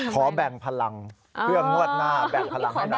ขอแบ่งพลังเพื่องวดหน้าแบ่งพลังให้หน่อย